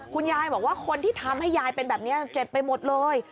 คุณยายบอกว่าคนที่ทำให้ยายเป็นแบบนี้เจ็บไปหมดเลย